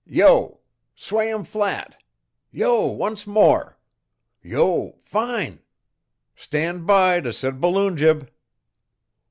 Yo! Sway 'em flat! Yo! Once more! Yo! Fine! Stand by to set balloon jib!"